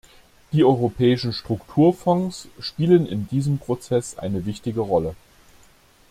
Die europäischen Strukturfonds spielen in diesem Prozess eine wichtige Rolle.